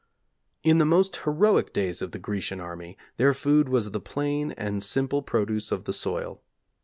'In the most heroic days of the Grecian army, their food was the plain and simple produce of the soil.